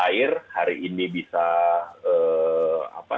den harf satu